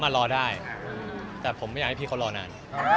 รอได้แต่ผมไม่อยากให้พี่เขารอนาน